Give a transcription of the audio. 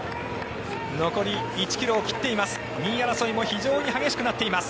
残り１ｋｍを切っています。